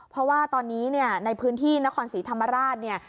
เพราะว่าตอนนี้ในพื้นที่นครสีธรรมราช